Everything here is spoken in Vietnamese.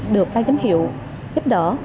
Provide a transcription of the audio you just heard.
được bác giám hiệu giúp đỡ